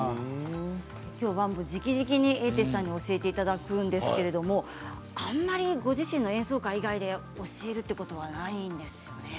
きょうはじきじきに英哲さんに教えていただくんですけれどもあまりご自身の演奏会以外で教えることはないんですよね。